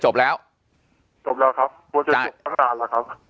จบแล้วครับกว่าจะจบตั้งนานล่ะครับ